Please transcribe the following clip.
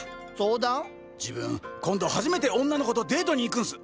自分今度初めて女の子とデートに行くんす。